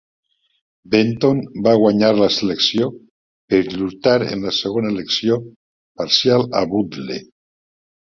Benton va guanyar la selecció per lluitar en la segona elecció parcial a Bootle.